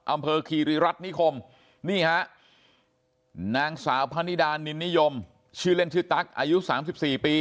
อำเภอคีรีรัฐนิคมนี่ฮะนางสาวพะนิดานินนิยมชื่อเล่นชื่อตั๊กอายุ๓๔ปี